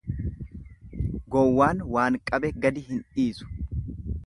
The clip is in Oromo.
Gowwaan waan qabe gadi hin dhiisu.